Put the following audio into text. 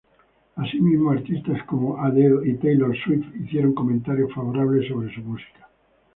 Asimismo, artistas como Adele y Taylor Swift hicieron comentarios favorables sobre su música.